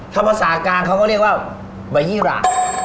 ใบภาษากลางมันก็คือใบยี่รา